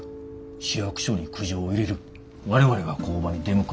市役所に苦情を入れる我々が工場に出向く。